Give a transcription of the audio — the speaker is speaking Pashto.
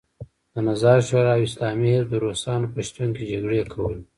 د نظار شورا او اسلامي حزب د روسانو په شتون کې جګړې کولې.